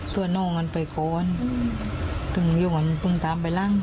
ตัวน้องมันไปไปก่อนฝึงตามไปลั่ง